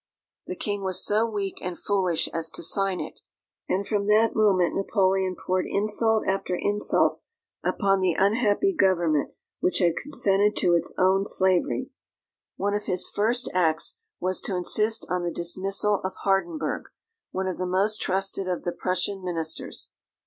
The King was so weak and foolish as to sign it, and from that moment Napoleon poured insult after insult upon the unhappy government which had consented to its own slavery. One of his first acts was to insist on the dismissal of Hardenberg, one of the most trusted of the Prussian ministers.